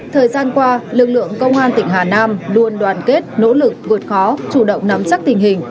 thời gian qua lực lượng công an tỉnh hà nam luôn đoàn kết nỗ lực vượt khó chủ động nắm chắc tình hình